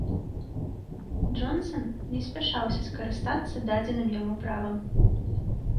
Джонсан не спяшаўся скарыстацца дадзеным яму правам.